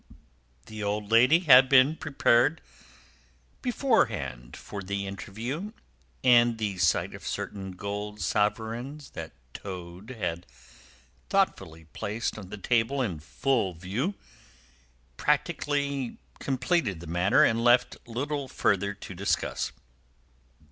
The old lady had been prepared beforehand for the interview, and the sight of certain gold sovereigns that Toad had thoughtfully placed on the table in full view practically completed the matter and left little further to discuss.